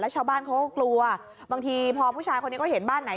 ชาวบ้านเขาก็กลัวบางทีพอผู้ชายคนนี้ก็เห็นบ้านไหน